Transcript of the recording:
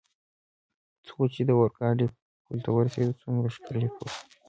څو چې د اورګاډي پل ته ورسېدو، څومره ښکلی پل.